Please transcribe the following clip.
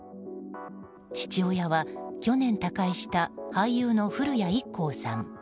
父親は、去年他界した俳優の古谷一行さん。